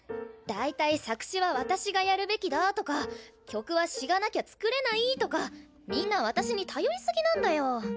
大体作詞は私がやるべきだとか曲は詞がなきゃ作れないとかみんな私に頼りすぎなんだよ。